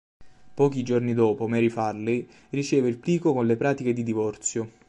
Pochi giorni dopo Mary Farley riceve il plico con le pratiche di divorzio.